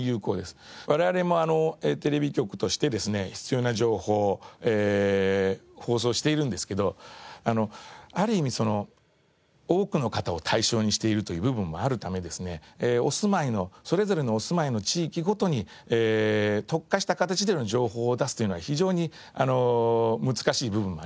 我々もテレビ局としてですね必要な情報を放送しているんですけどある意味多くの方を対象にしているという部分もあるためですねお住まいのそれぞれのお住まいの地域ごとに特化した形での情報を出すというのは非常に難しい部分もあります。